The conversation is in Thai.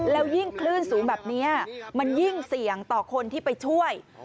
แล้วยิ่งคลื่นสูงแบบนี้มันยิ่งเสี่ยงต่อคนที่ไปช่วย